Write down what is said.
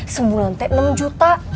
sembulan te enam juta